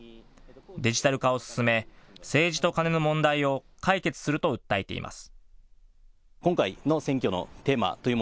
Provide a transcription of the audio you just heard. デジタル化を進め、政治とカネの問題を解決すると訴えています。